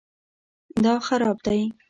دا خراب دی